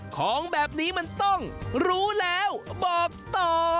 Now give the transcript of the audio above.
ของแบบนี้มันต้องรู้แล้วบอกต่อ